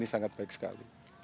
itu sangat baik sekali